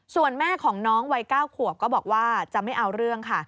ส่วนแม่ของน้องวัย๙ขวบก็บอกว่าจะไม่เอาเรื่องค่ะ